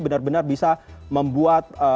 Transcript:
benar benar bisa membuat